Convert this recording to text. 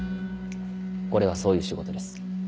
これはそういう仕事です。